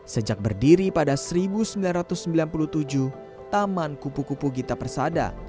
sejak berdiri pada seribu sembilan ratus sembilan puluh tujuh taman kupu kupu gita persada